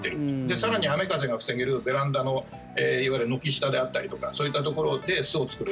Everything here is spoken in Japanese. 更に雨、風が防げるベランダのいわゆる軒下であったりとかそういったところで巣を作る。